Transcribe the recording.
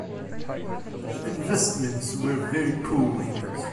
The investments were very poor in it.